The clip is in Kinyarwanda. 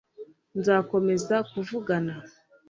nzakomeza kuvugana